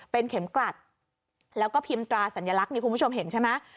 เป็นเข็มกลัดแล้วก็พิมพ์ตราสัญลักษณ์นี่คุณผู้ชมเห็นใช่ไหม